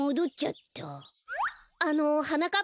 あのはなかっ